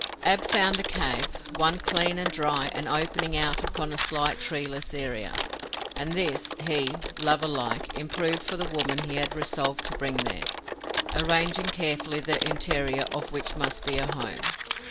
Ab found a cave, one clean and dry and opening out upon a slight treeless area, and this he, lover like, improved for the woman he had resolved to bring there, arranging carefully the interior of which must be a home.